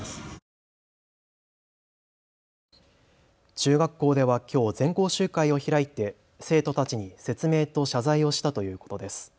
中学校ではきょう全校集会を開いて生徒たちに説明と謝罪をしたということです。